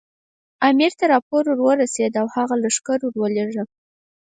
امیر ته راپور ورسېد او هغه لښکر ورولېږه.